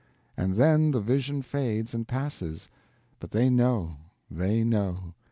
And then the vision fades and passes—but they know, they know!